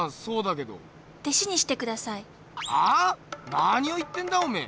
なにを言ってんだおめぇ？